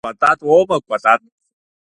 Кәатат уоума, Кәатат?